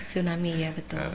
tsunami ya betul